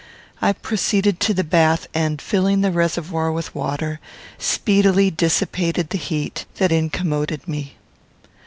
I proceeded to the bath, and, filling the reservoir with water, speedily dissipated the heat that incommoded me.